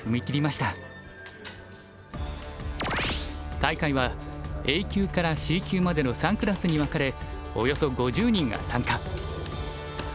大会はＡ級からＣ級までの３クラスに分かれおよそ５０人が参加。